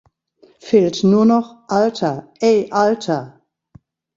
Fehlt nur noch Alter - Ey Alter.